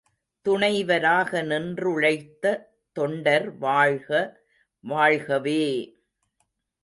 துணைவராக நின்று ழைத்த தொண்டர் வாழ்க, வாழ்கவே!